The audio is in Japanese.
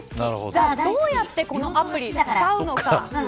じゃあ、どうやってこのアプリ使うのか。